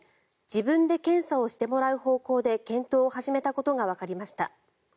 自分で検査をしてもらう方向で検討を始めたことがわかりました。